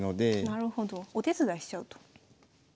なるほどお手伝いしちゃうと。